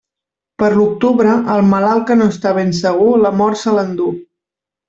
Per l'octubre, el malalt que no està ben segur, la mort se l'enduu.